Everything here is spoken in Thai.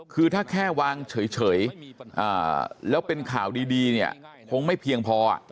คือถ้าแค่วางเฉยแล้วเป็นข่าวดีเนี่ยคงไม่เพียงพอ